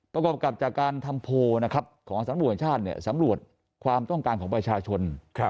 ประกอบกับจากการทำโพลของสำรวจชาติสำรวจความต้องการของประชาชน